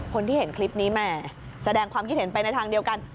คนที่เห็นคลิปนี้แหม่แสดงความคิดเห็นไปในทางเดียวกัน